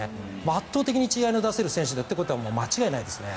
圧倒的に違いの出せる選手だというのは間違いないですね。